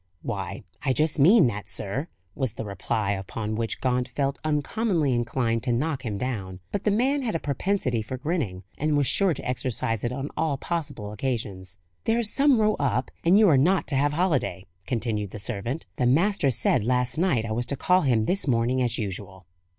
"Why, I just mean that, sir," was the reply, upon which Gaunt felt uncommonly inclined to knock him down. But the man had a propensity for grinning, and was sure to exercise it on all possible occasions. "There's some row up, and you are not to have holiday," continued the servant; "the master said last night I was to call him this morning as usual."